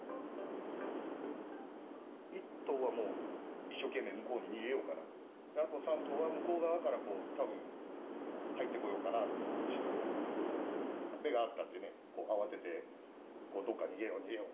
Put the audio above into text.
１頭はもう一生懸命向こうに逃げようかな、あと３頭は向こう側から、たぶん入ってこようかなってしたと思うんですけど、目が合ったんでね、慌てて、どっか逃げよう、逃げよう。